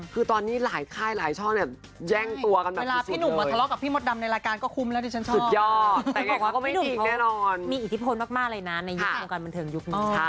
เพราะว่าตอนนี้พี่ว่ามันเยอะ